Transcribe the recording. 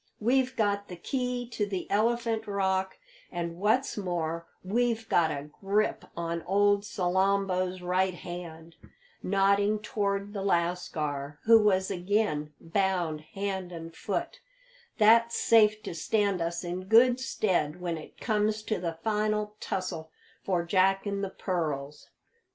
We've got the key to the Elephant Rock, and, what's more, we've got a grip on old Salambo's right hand," nodding towards the lascar, who was again bound hand and foot, "that's safe to stand us in good stead when it comes to the final tussle for Jack and the pearls."